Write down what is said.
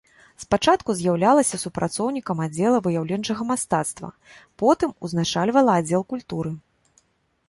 Спачатку з'яўлялася супрацоўнікам аддзела выяўленчага мастацтва, потым узначальвала аддзел культуры.